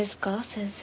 先生。